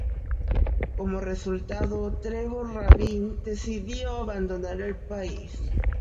Como resultado, Trevor Rabin decidió abandonar el país.